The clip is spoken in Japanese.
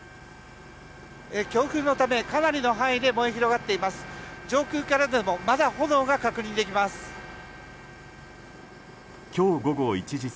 強風のためかなりの範囲で燃え広がっています。